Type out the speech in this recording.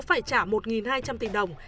phải trả một hai trăm linh tỷ đồng